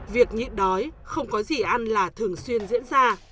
việc nhịn đói không có gì ăn là thường xuyên diễn ra